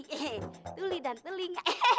tuli dan telinga